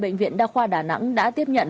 bệnh viện đa khoa đà nẵng đã tiếp nhận